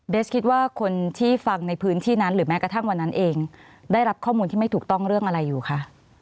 คิดว่าคนที่ฟังในพื้นที่นั้นหรือแม้กระทั่งวันนั้นเองได้รับข้อมูลที่ไม่ถูกต้องเรื่องอะไรอยู่คะ